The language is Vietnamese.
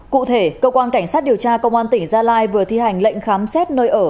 cụ thể cơ quan cảnh sát điều tra công an tỉnh gia lai vừa thi hành lệnh khám xét nơi ở